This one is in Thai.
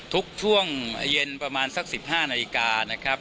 ทุกช่วงเย็นประมาณสัก๑๕นาฬิกา